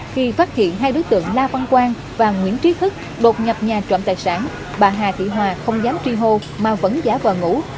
khi phát hiện hai đối tượng la văn quang và nguyễn trí thức đột nhập nhà trộm tài sản bà hà thị hòa không dám tri hô mà vẫn giả vào ngủ